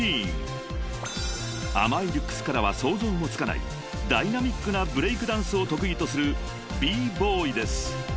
［甘いルックスからは想像もつかないダイナミックなブレイクダンスを得意とするＢ−ＢＯＹです］